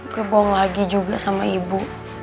gue bohong lagi juga sama ibu